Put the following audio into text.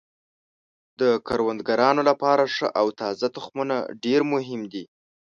د کروندګرانو لپاره ښه او تازه تخمونه ډیر مهم دي.